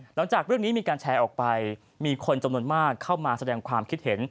หลังจากเรื่องนี้มีการแชร์ออกไปมีคนจำนวนมากเข้ามาแสดงความคิดเห็น